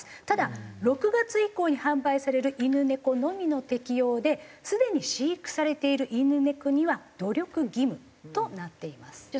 ただ６月以降に販売される犬猫のみの適用ですでに飼育されている犬猫には努力義務となっています。